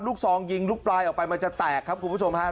ซองยิงลูกปลายออกไปมันจะแตกครับคุณผู้ชมฮะ